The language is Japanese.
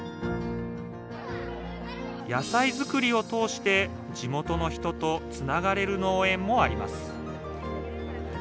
野菜作りを通して地元の人とつながれる農園もあります